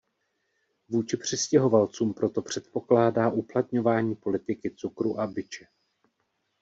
Vůči přistěhovalcům proto předpokládá uplatňování politiky cukru a biče.